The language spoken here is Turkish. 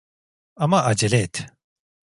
Ama acele et.